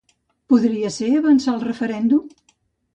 Podria ser avançar el referèndum?